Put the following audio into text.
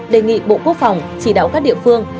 đề nghị bộ quốc phòng chỉ đạo các địa phương